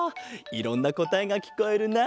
いろんなこたえがきこえるな。